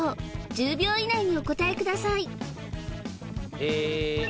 １０秒以内にお答えくださいえ